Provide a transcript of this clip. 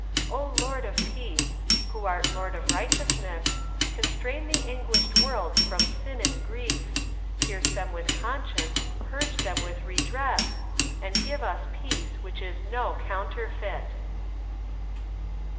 O Lord of Peace, who art Lord of Righteousness, Constrain the anguished worlds from sin and grief, Pierce them with conscience, purge them with redress, AND GIVE US PEACE WHICH IS NO COUNTERFEIT!